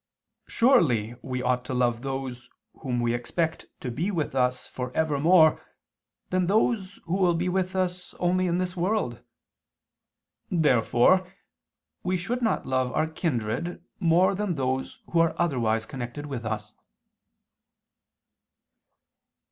Surely we ought to love those whom we expect to be with us for ever more than those who will be with us only in this world. Therefore we should not love our kindred more than those who are otherwise connected with us.